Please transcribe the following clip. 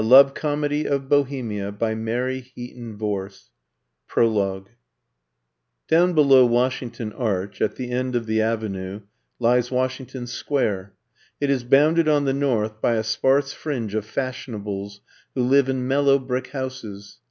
I'VE COME TO STAY *n 31 I I VE COME TO STAY DOWN below Washington Arch, at the end of the Avenue, lies Washington Square. It is bounded on the north by a sparse fringe of fashionables who live in mellow brick houses.